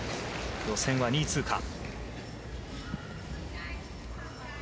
予選は２位通過。